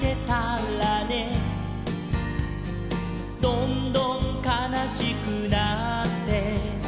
「どんどんかなしくなって」